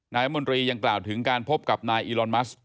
นายมนตรียังกล่าวถึงการพบกับนายอีลอนมัส